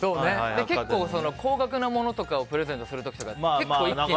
結構、高額のものをプレゼントする時は結構一気に。